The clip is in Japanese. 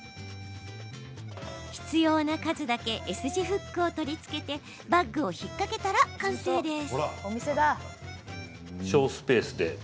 必要な数だけＳ字フックを取り付けてバッグを引っ掛けたら完成です。